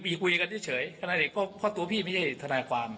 มีคุยกันเฉยเพราะตัวพี่ไม่ใช่ธนาความ